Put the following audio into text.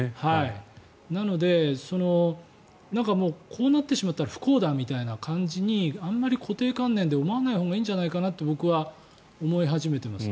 なので、こうなってしまったら不幸だみたいな感じにあまり固定観念で思わないほうがいいんじゃないかと僕は思い始めています。